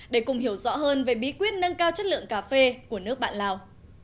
để cùng hiểu rõ hơn về bí quyết nâng cao chất lượng cà phê của nước bạn lào